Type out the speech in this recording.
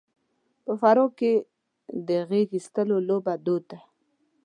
په فراه کې د غېږاېستلو لوبه دود ده.